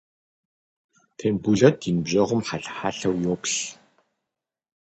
Тембулэт и ныбжьэгъум хьэлъэ-хьэлъэу йоплъ.